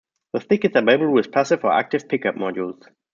The Stick is available with passive or active pickup modules.